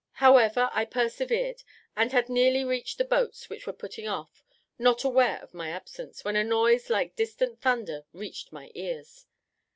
However, I persevered, and had nearly reached the boats which were putting off, not aware of my absence, when a noise like distant thunder reached my ears.